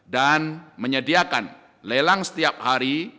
dan menyediakan lelang setiap hari